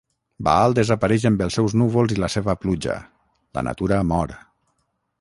Baal desapareix amb els seus núvols i la seva pluja: la natura mor.